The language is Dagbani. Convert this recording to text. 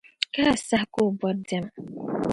Ka a sahi ka o bɔr’diɛma.